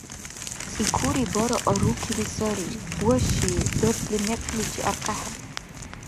ЦӀикури бара аррукили сари, ваши дархьли мекъличи аркьехӀе.